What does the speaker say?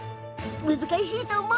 難しいと思う？